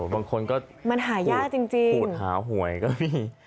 บางคนก็ห่ายากจริงนะครับ